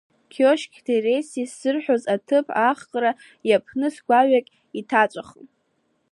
Қьошьқь Дереси ззырҳәоз аҭыԥ ахра иаԥныз гәаҩак иҭаҵәахын.